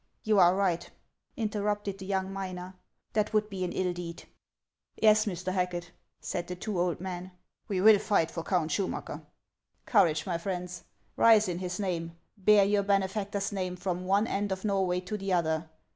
" You are right," interrupted the young miner ;" that would be an ill deed." " Yes, Mr. Hacket," said the two old men, " we will fight for Count Schumacker." " Courage, my friends ! Rise in his name ; bear your benefactor's name from one end of Xorway to the other.